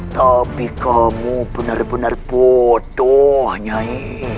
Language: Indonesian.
tapi kamu benar benar butuh nyai